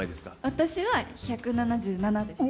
私は１７７でした。